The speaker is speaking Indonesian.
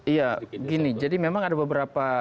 iya gini jadi memang ada beberapa